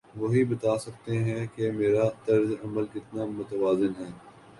وہی بتا سکتے ہیں کہ میرا طرز عمل کتنا متوازن ہے۔